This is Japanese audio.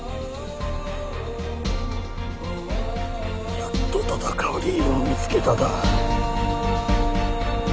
やっと戦う理由を見つけただ。